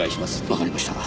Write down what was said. わかりました。